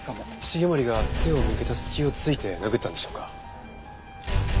繁森が背を向けた隙を突いて殴ったんでしょうか？